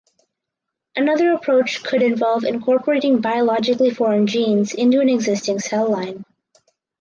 Another approach could involve incorporating biologically foreign genes into an existing cell line.